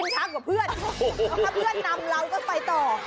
ใช่